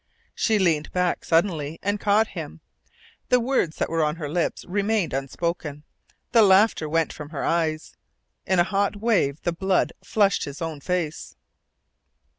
She leaned back suddenly, and caught him. The words that were on her lips remained unspoken. The laughter went from her eyes. In a hot wave the blood flushed his own face.